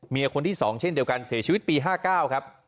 คนที่๒เช่นเดียวกันเสียชีวิตปี๕๙ครับ